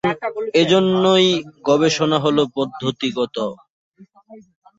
এজন্যই গবেষণা হলো পদ্ধতিগত।